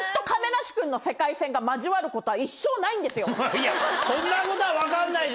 いやそんなことは分かんないじゃんか。